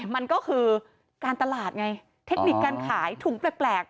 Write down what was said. มันก็คือการตลาดไงเทคนิคการขายถุงแปลก